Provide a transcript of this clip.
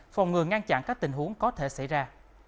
phòng ngừa ngăn chặn các tình huống có thể xảy ra